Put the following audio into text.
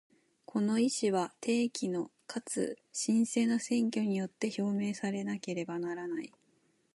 この意思は、定期のかつ真正な選挙によって表明されなければならない。